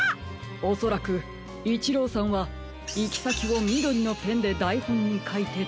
おそらくイチローさんはいきさきをみどりのペンでだいほんにかいてたちさった。